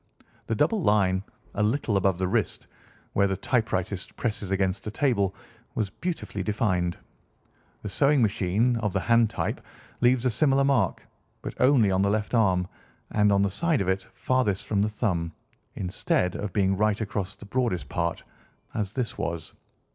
The double line a little above the wrist, where the typewritist presses against the table, was beautifully defined. The sewing machine, of the hand type, leaves a similar mark, but only on the left arm, and on the side of it farthest from the thumb, instead of being right across the broadest part, as this was.